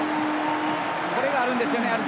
これがあるんですよね。